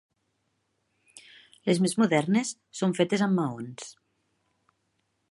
Les més modernes són fetes amb maons.